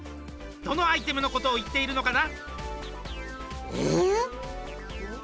どのアイテムのことを言っているのかな？